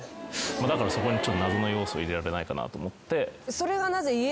だからそこに謎の要素を入れられないかなと思って。